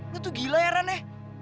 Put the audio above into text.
lo tuh gila ya ran ya